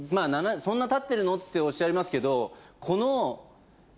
そんなたってるのっておっしゃいますけどこの。